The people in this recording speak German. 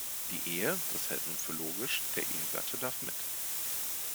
Die Ehe, das hält man für logisch, der Ehegatte darf mit.